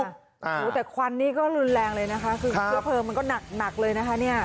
โอ้โหแต่ควันนี่ก็รุนแรงเลยนะคะคือเชื้อเพลิงมันก็หนักเลยนะคะเนี่ย